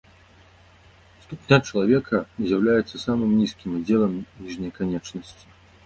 Ступня чалавека з'яўляецца самым нізкім аддзелам ніжняй канечнасці.